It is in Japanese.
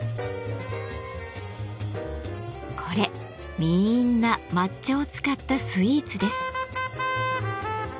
これみんな抹茶を使ったスイーツです。